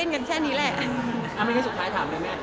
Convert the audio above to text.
เอาเป็นที่สุดท้ายถามเลยแม่